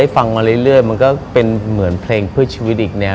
ฟังมาเรื่อยมันก็เป็นเหมือนเพลงเพื่อชีวิตอีกแนว